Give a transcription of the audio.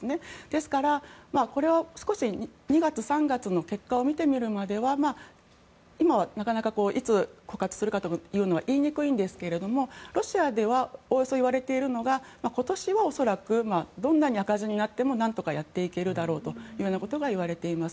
ですから、これは少し２月、３月の結果を見てみるまでは今はなかなかいつ枯渇するかというのは言いにくいんですけどもロシアでおおよそいわれているのは今年は恐らくどんなに赤字になってもなんとかやっていけるだろうということが言われています。